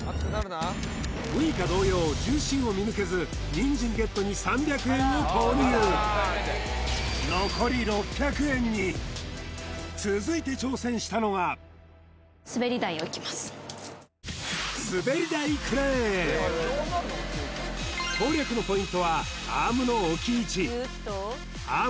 ウイカ同様重心を見抜けずニンジンＧＥＴに３００円を投入残り６００円に続いて挑戦したのがクレーン攻略のポイントはアームの置き位置アームのつかむ勢いを利用できる